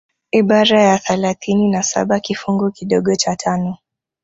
Ibara ya thalathini na saba kifungu kidogo cha tano